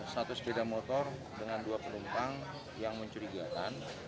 satu sepeda motor dengan dua penumpang yang mencurigakan